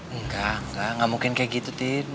enggak enggak enggak mungkin kayak gitu tin